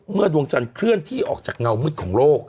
ดวงจันทร์เคลื่อนที่ออกจากเงามืดของโลก